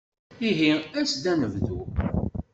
Ihi as-d ad nebdu.